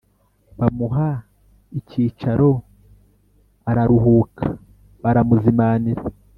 Bamuha icyicaro araruhuka baramuzimanira